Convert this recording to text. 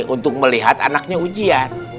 untuk melihat anaknya ujian